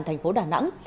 thành phố đà nẵng